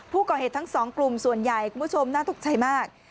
ผู้ก่อเหตุทั้งสองกลุ่มส่วนใหญ่คุณผู้ชมน่าตกใจมาก